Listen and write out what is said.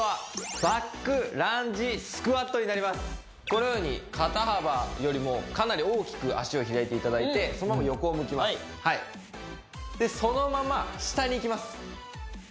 このように肩幅よりもかなり大きく足を開いていただいてそのまま横を向きますでそのまま下に行きます